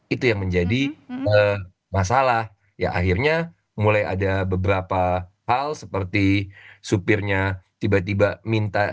itu yang menjadi masalah ya akhirnya mulai ada beberapa hal seperti supirnya tiba tiba minta